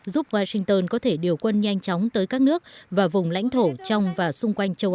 giúp washington có thể điều quân nhanh chóng tới các nước và vùng lãnh thổ trong và xung quanh châu